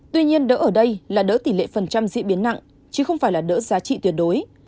tuy nhiên đỡ ở đây là đỡ tỷ lệ phần trăm diễn biến nặng chứ không phải là đỡ giá trị tuyệt đối